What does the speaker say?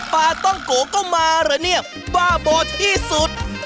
ปลาต้องโกก็มาเหรอเนี่ยบ้าโบที่สุด